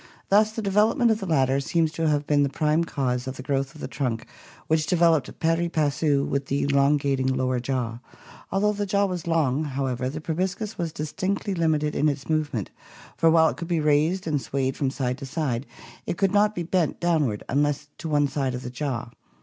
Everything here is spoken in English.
Thus the development of the latter seems to have been the prime cause of the growth of the trunk which developed pari passu with the elongating lower jaw. Although the jaw was long, however, the proboscis was distinctly limited in its move ment, for while it could be raised and swayed from side to side it could not be bent downward unless to one side of the jaw.